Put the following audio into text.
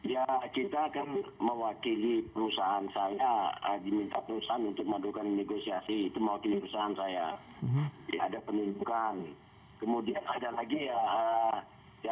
ya kita kan mewakili perusahaan saya